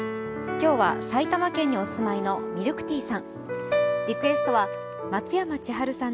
今日は埼玉県にお住まいのミルクティーさん。